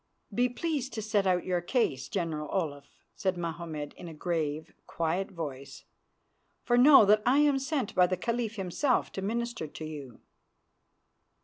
"Be pleased to set out your case, General Olaf," said Mahommed in a grave, quiet voice, "for know that I am sent by the Caliph himself to minister to you."